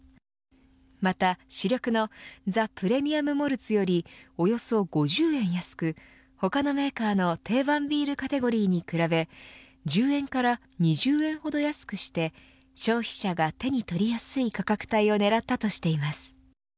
また、主力のザ・プレミアム・モルツよりおよそ５０円安く他のメーカーの定番ビールカテゴリーに比べ１０円から２０円ほど安くして消費者が手に取りやすい価格帯を狙ったとしています。